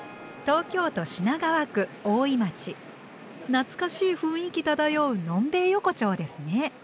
懐かしい雰囲気漂うのんべえ横丁ですね。